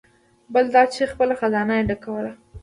بل دا چې خپله خزانه یې ډکول.